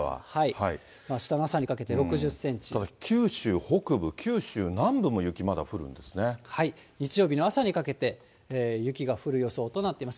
あしたの朝にかけて６０セン九州北部、九州南部も雪、ま日曜日の朝にかけて、雪が降る予想となっています。